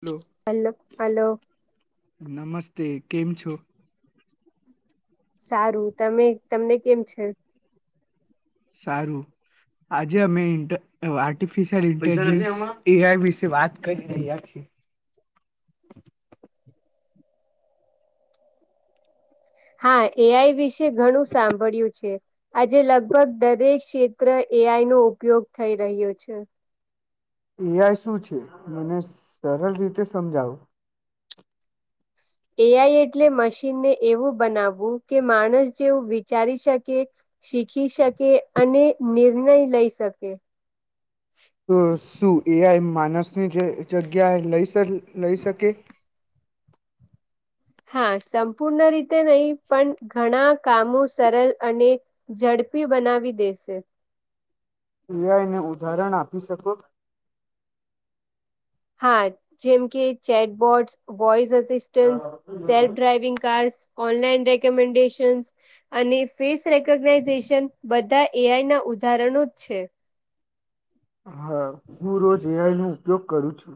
Hello hello hello નમસ્તે કેમ છ સારું તમે તમને કેમ છે સારું આજે અમે આર્ટિફિશયલ ઇન્ટેલજસ એ આઈ વિશે વાત કરી રહ્યા છીએ હા એઆઈ વિશે ઘણું સાંભળ્યું છે આજે લગભગ દરેક ક્ષેત્ર એ આઈ નો ઉપયોગ થઈ રહ્યો છે એઆઈ શું છે મને સરળ રીતે સમજાવો એઆઈ એટલે મશીનને એવું બનાવવું કે માણસ જેવું વિચારી શકે શીખી શકે અને નિર્ણય લઈ શકે તો શું એ આઈ માનસ ની જે જગ્યા એ લઈ લઈ શકે હા સંપૂર્ણ રીતે નહી પણ ઘણા કામો સરળ અને ઝડપી બનાવી દેશે એઆઈને ઉદાહરણ આપી શકો હા જેમ કે chatbots voice િસ્ટન્ self driving cars online recommendations અને ફેસ રેકોગ્નાઇઝેશન બધા એઆઈ ના ઉદાહરણો જ છે હા હું રોજ આનું ઉપયોગ કરું છું.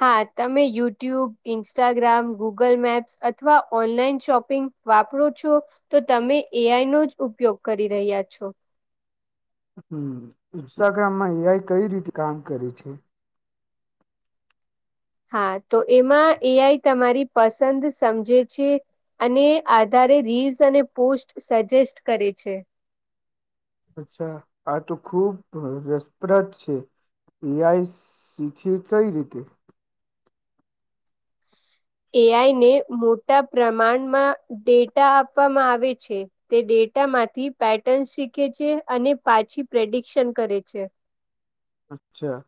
હા તમે યુટ્યુબ, ઇન્સ્ટાગ્રામ, ગૂગલ મેપ્સ અથવા ઓનલાઈન શોપિંગ વાપરો છો, તો તમે એ આઈ નો જ ઉપયોગ કરી રહ્યા છો. હમ્મ. ઇન્સ્ટાગ્રામમાં એ આઈ કઈ રીતે કામ કરે છે? હા તો એમાં એ આઈ તમારી પસંદ સમજે છે, અને આધારે રીલ્સ અને પોસ્ટ સજેસ્ટ કરે છે. અચ્છા આ તો ખુબ રસપ્રદ છે. એ આઈ શીખી કઈ રીતે? એ આઈને મોટા પ્રમાણમાં ડેટા આપવામાં આવે છે, તે ડેટામાંથી પેટર્ન્સ શીખે છે અને પાછી પ્રેડિકશન કરે છે. અચ્છા.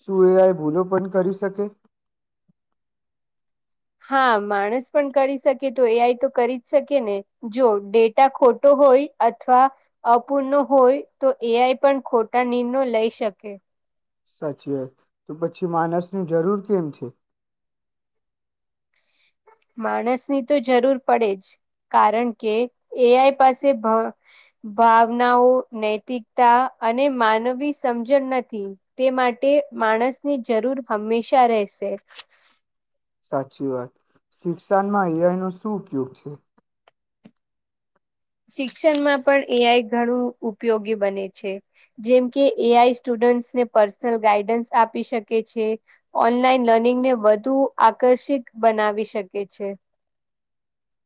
શું એ આઈ ભૂલો પણ કરી શકે? હા માણસ પણ કરી શકે તો એ આઈ તો કરી જ શકે ને, જો ડેટા ખોટો હોય અથવા અપૂર્ણ હોય તો એ આઈ પણ ખોટા નિર્ણયો લઈ શકે. સાચી વાત, તો પછી માનસની જરૂર કેમ છે? માણસની તો જરૂર પડે જ, કારણ કે, એ આઈ પાસે ભ ભાવનાઓ, નૈતિકતા અને માનવી સમજણ નથી, તે માટે માણસની જરૂર હંમેશા રહેશે. સાચી વાત. શિક્ષણમાં એ આઈ નો શું ઉપયોગ છે? શિક્ષણમાં પણ એ આઈ ઘણું ઉપયોગી બને છે, જેમ કે એ આઈ સ્ટુડન્ટ્સને પર્સનલ ગાઈડન્સ આપી શકે છે, ઓનલાઈન લર્નિંગને વધુ આકર્ષિત બનાવી શકે છે.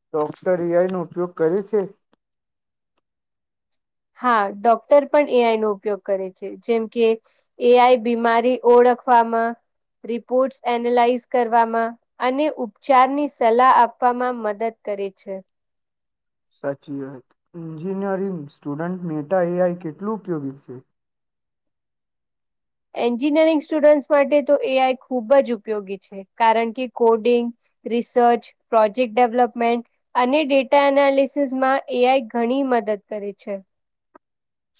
ડોક્ટર એ આઈ નો ઉપયોગ કરે છે? હા ડોક્ટર પણ એ આઈ નો ઉપયોગ કરે છે, જેમ કે એઆઈ બીમારી ઓળખવામાં, રિપોર્ટ એનેલાઈઝ કરવામાં, અને ઉપચારની સલાહ આપવામાં મદદ કરે છે. સાચી વાત. Engineering student Meta A I કેટલું ઉપયોગી છે? એન્જિનિયરિંગ સ્ટુડન્ટ્સ માટે તો એ આઈ ખૂબ જ ઉપયોગી છે, કારણ કે કોડિંગ, રિસર્ચ, પ્રોજેક્ટ ડેવલપમેન્ટ અને ડેટા એનાલિસિસમાં એ આઈ ઘણી મદદ કરે છે.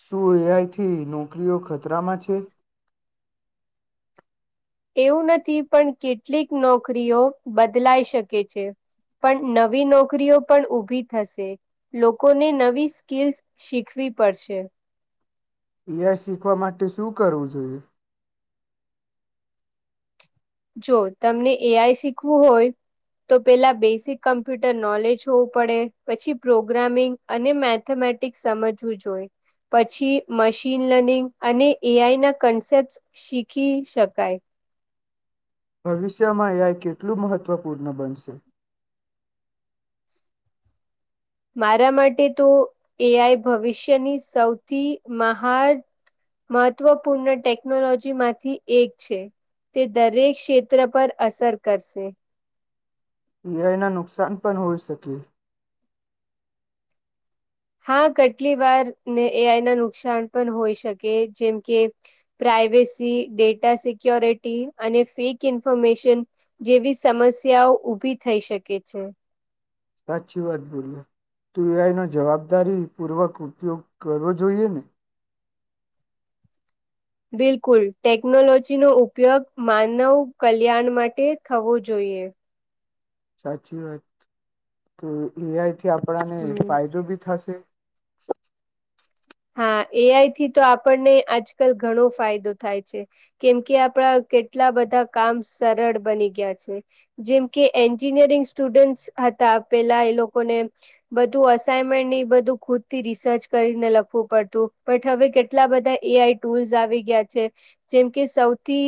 શું એ આઈથી નોકરીઓ ખતરામાં છે? એવું નથી, પણ કેટલીક નોકરીઓ બદલાઈ શકે છે, પણ નવી નોકરીઓ પણ ઊભી થશે, લોકોને નવી સ્કિલ્સ શીખવી પડશે. એ આઈ શીખવા માટે શું કરવું જોઈએ? જો તમને એ આઈ શીખવું હોય, તો પેલા બેસિક કમ્પ્યુટર નોલેજ હોવું પડે, પછી પ્રોગ્રામિંગ અને મેથેમેટિક્સ સમજવું જોઈએ. પછી મશીન લર્નિંગ અને એ આઈ ના કન્સેપ્ટ શીખી શકાય. ભવિષ્યમાં એ આઈ કેટલું મહત્વપૂર્ણ બનશે? મારા માટે તો એ આઈ ભવિષ્યની સૌથી મહાન મહત્વપૂર્ણ ટેકનોલોજીમાંથી એક છે, તે દરેક ક્ષેત્ર પર અસર કરશે. એ આઈના નુકસાન પણ હોઈ શકે. હા કેટલી વારને એ આઈના નુકસાન પણ હોઈ શકે જેમ કે, પ્રાઇવેસી, ડેટા સિક્યોરિટી અને ફેક ઇન્ફોર્મેશન જેવી સમસ્યાઓ ઊભી થઈ શકે છે. સાચી વાત બોલ્યા. તો એ આઈનો જવાબદારી પૂર્વક ઉપયોગ કરવો જોઈએ ને? બિલકુલ. ટેકનોલોજીનો ઉપયોગ માનવ કલ્યાણ માટે થવો જોઈએ. સાચી વાત. તો એ આઈ થી કે આપણાને હમ. ફાયદો બી થશે. હા એ આઈ થી તો આપણને આજકાલ ઘણો ફાયદો થાય છે, કેમ કે આપડા કેટલા બધા કામ સરળ બની ગયા છે, જેમ કે એન્જીિનિયરિંગ સ્ટુડન્ટસ હતા પેલા એ લોકોને, બધું અસાઇમેનને ઈ બધું ખુદ થી રિસર્ચ કરીને લખ વું પડતું, બટ હવે કેટલા બધા એ આઈ ટૂલ્સ આવી ગયા છે, જેમ કે સૌથી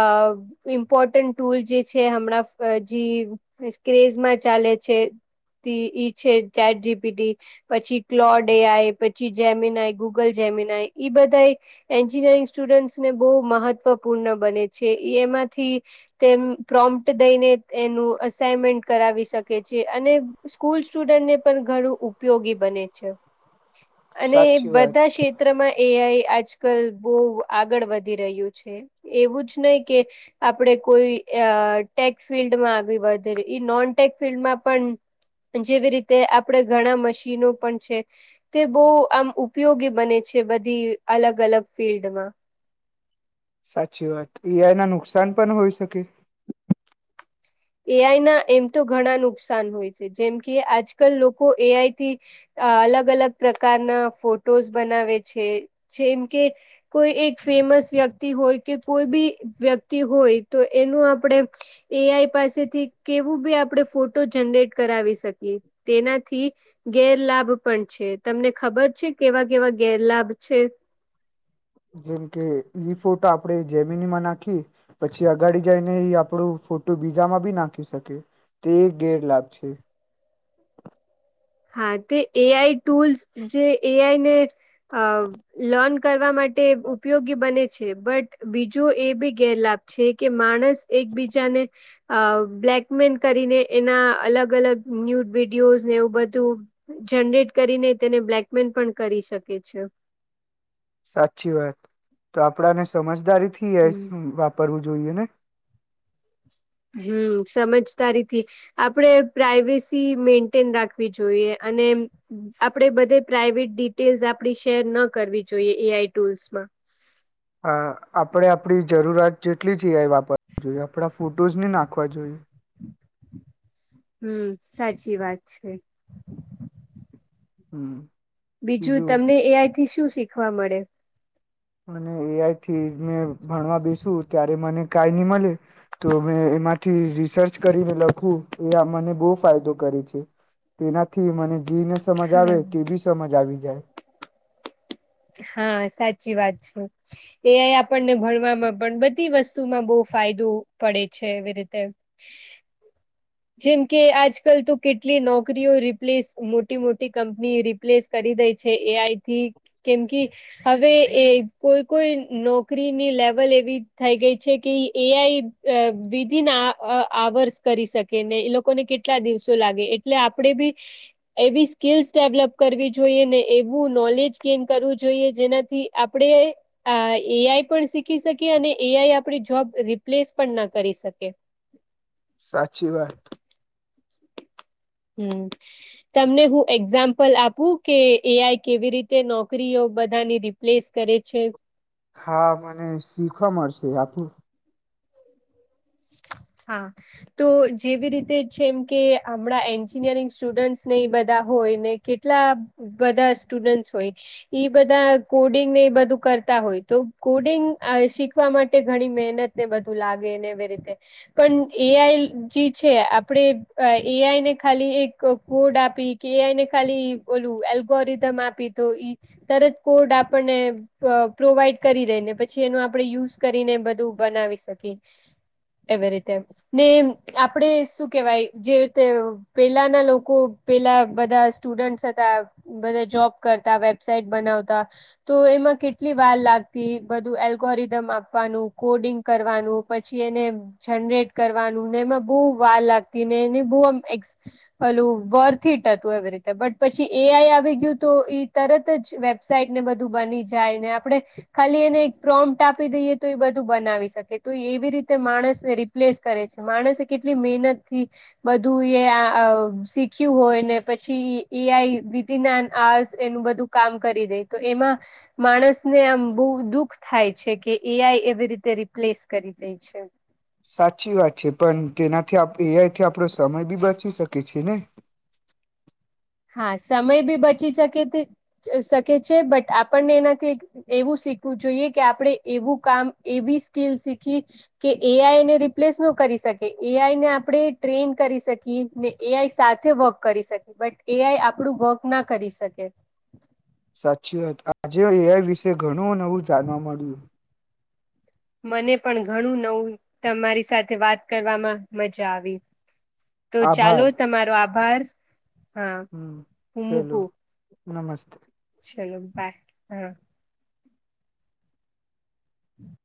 અહ ઇમ્પોર્ટન્ટ ટૂલ જે છે હમણાં જી ક્રેઝમાં ચાલે છે, તે ઈ છે ચેટ જી પી ટી, પછી ક્લોડ એ આઈ, પ છી જેમીનાય, ગુગલ જેમીનાય ઈ બધાય એન્જિનિયરિંગ સ્ટુડન્ટસને બહુ મહત્વપૂર્ણ બને છે, ઈ એમાંથી તેમ પ્રોમ્પ્ટ દઈને એનું અસાઈનમેન્ટ કરાવી શકે છે, અને સ્કૂલ સ્ટુડન્ટને પણ ઘણું ઉપયોગી બને છે. અને સાચી વાત બધા ક્ષેત્રમાં એ આઈ આજકલ બહુ આગળ વધી રહ્યું છે. એવું જ નહી કે, આપણેે કોઈ અહ ટેક્સ ફિલ્ડમાં આગળ વધેરે, ઈ નોન ટેક ફિલ્ડમાં પણ જેવી રીતે આપણે ઘણા મશીનો પણ છે, તે બહું આમ ઉપયોગી બને છે બધી અલગ-અલગ ફિલ્ડમાં. સાચી વાત. એ આઈ ના નુકસાન પણ હોય શકે? એ આઈ ના એમ તો ઘણા નુકસાન હોય છે. જેમ કે આજકાલ લોકો એ આઈથી, અહ અલગ-અલગ પ્રકારના ફોટોઝ બનાવે છે, જેમ કે કોઈ એક ફેમસ વ્યક્તિ હોય કે કોઈ બી વ્યક્તિ હોય તો એનું આપણે એ આઈ પાસેથી કેવું બી આપણે ફોટો જનરેટ કરાવી શકીએ, તેનાથી ગેરલાભ પણ છે. તમને ખબર છે કેવા-કેવા ગેરલાભ છે? જેમ કે ઈ ફોટો આપણે જેમીનીમાં નાખી, પછી અગાડી જાયને ઈ આપણું ફોટો બીજામાં બી નાખી શકે, તે ગેરલાભ છે. હા તે એ આઈ ટૂલ્સ જે એ આઈ ને, અહ લર્ન કરવા માટે ઉપયોગી બને છે, બટ બીજો એ બી ગેરલાભ છે કે માણસ એકબીજાને અહ બ્લેકમેલ કરીને એના અલગ-અલગ ન્યૂડ વિડીયોઝને એવું બધું ધું જનરેટ કરીને તેને બ્લેકમેલ પણ કરી શકે છે. સાચી વાત. તો આપડાને સમજદારી થી એસ હમ વાપરું જોઈએ ને? હમ્મ સમજદારીથી આપણેે પ્રાઈવેસી મેન્ટેન રાખવી જોઈએ અને આપણેે બધે પ્રાઇવેટ ડિટેલ્સ આપડી શેર ન કરવી જોઈએ એ આઈ ટુલ્સમાં. હા આપડે આપડી જરૂરાત જેટલી જ એ આઈ વાપરવી જોઈએ. આપણા ફૂટ ડોઝ ન નાખવા જોઈએ. હમ સાચી વાત છે. હમ્મ. બીજું તમને એ આઈથી શું શીખ વા મળે. મ એ આ આઈ થી મેં ભણવા બેસુ ત્યારે મને કઈ ન મળને તો અમે એમાં થી રિસર્ચ કરીને લખવું એ મને બહુ ફાયદો કરે છે, તેનાથી મને જીને સમજ હા આવે કે બી સમજ આવી જાય. હા સાચી વાત છે, એ આઈ આપણને ભણવામાં પણ બધી વસ્તુમાં બહુ ફાયદો પડે છે, એવી રીતે જેમ કે આજ કલ તો કેટલી નોકરીઓ રિપ્લેસ મોટી મોટી કંપની રિપ્લેસ કરી દે છે એ આઈથી કેમ કે, હવે એ કોઈ કોઈ નોકરીની લેવલ એવી થઈ ગઈ છે કે એ આઈ વિધિન આવર્સ કરી શકે ને એ લોકોને કેટલા દિવસો લાગે એટલે આપણેે બી, એવી સ્કલ્સ ડેવલપ કરવી જોઈએ ને એવું નોલેજ સ્મ કરવું જોઈએ જેનાથી આપણે એ આઈ પણ શીખી શકીએ અને એ આઈ આપણી જોબ રિપ્લેસ પણ ના કરી શકે. સાચી વાત. હમ, તમને હું એક્ઝામ્પલ આપું કે એ આઈ કેવી રીતે નોકરીઓ બધાની રિપ્લેસ કરે છે. હા મને શીખવા મળશે આ હા, તો જેવી રીતે છેમ કે હમણાં એન્જીનિયરિંગ સ્ટુડન્ટસ ને એ બધા હોય ને કેટલા બધા સ્ટુડન્ટસ હોય, એ બધા કોડિંગ ને એ બધું કરતા હોય તો કોડિંગ શીખવા માટે ઘણી મહેનત ને બધું લાગે ને એવી રીતે. પણ એ આઈ જે છે આપણેે એ આઈને ખાલી એક કોડ આપી કે એ આઈને ખાલી બોલું એલ્ગોરિધમ આપી તો, તરત કોડ આપણને પ્રોવાઈડ કરી દેને પછી એનું આપણે યુઝ કરીને બધું બનાવી શકીએ, એવી રીતે. ને આપડે શું કેવાય જે રીતે પેલાના લોકો પેલા બધા સ્ટુડન્ટસ હતા બધા જોબ કરતા વેબસાઈટ બનાવતા, તો એમાં કેટલી વાર લાગતી બધું એલ્ગોહરિઝમ આપવાનું કોડિંગ કરવાનું પછી એને જનરેટ કરવાનું ને એમાં બહુ વાર લાગતી ને એને બહુ આમ પેલું, વર્થટ હતું એવી રીતે બટ પછી એઆઈ આવી ગયું તો એ તરત જ વેબસાાઈટને બધું બની જાય ને આપણે, ખાલી એને એક પ્રોમપ્ટ આપી દઈએ તો એ બધું બનાવી શકે તો એવી રીતે માણસ રિપ્લેસ કરે છે માણસે કેટલી મહેનત થી બધું એ શીખ્યું હોય ને પછી એ આઈ વિધન આર્સ એનું બધું કામ કરી દે તો એમાં, માણસને આમ બહુ દુઃખ થાય છે કે એ આઈ એવી રીતે રિપ્લેસ કરી દે છે. સાચી વાત છે પણ તેનાથી એ આથી આપડો સમય બી બચી શકી છે. ને હા સમય બી બચી શકે શકે છે બટ આપણને એનાથી એવું શીખવું જોઈએ કે આપણે એવું કામ એવી સ્કીલ શીખીએ કે, એ આઈને રિપ્લેસ ન કરી શકે એ આઈને આપણે ટ્રેન કરી શકીએ, ને એઆઈ સાથે વર્ક કરી શકીએ બટ એ આઈ આપડું વર્ક ના કરી શકે. સાચી વાત આજે એ વિશે ઘણું નવું જાણવા મળ્યું. મને પણ ઘણું નવું તમારી સાથે વાત કરવામાં મજા આવી. તો ચાલો આભાર તમારો આભાર. હા, હમ હું ચલો મુકું. નમસ્તે. ચલો બાય હા. હમ.